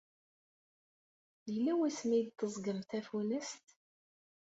Yella wasmi i d-teẓẓgem tafunast?